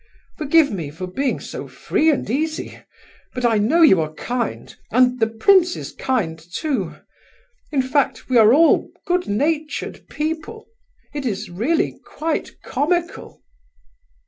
Forgive me for being so free and easy—but I know you are kind, and the prince is kind, too. In fact, we are all good natured people—it is really quite comical."